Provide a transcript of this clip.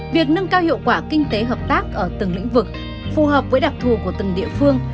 việc nâng cao hiệu quả kinh tế hợp tác ở từng lĩnh vực phù hợp với đặc thù của từng địa phương